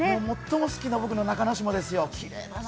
最も好きな、僕の中之島ですよ。